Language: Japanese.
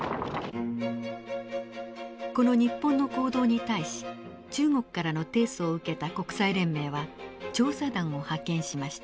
この日本の行動に対し中国からの提訴を受けた国際連盟は調査団を派遣しました。